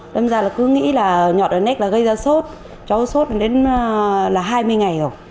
lâm ra là cứ nghĩ là nhọt ở nét là gây ra sốt cháu sốt là đến là hai mươi ngày rồi